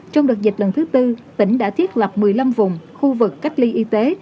trong đợt dịch lần thứ tư tỉnh đã thiết lập một mươi năm vùng khu vực cách ly y tế